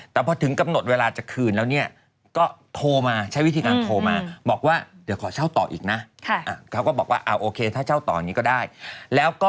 แต่พอถึงกำหนดเวลาจะคืนแล้วก็โทรมาใช้วิธีการโทรมา